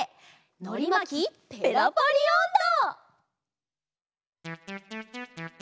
「のりまきペラパリおんど」！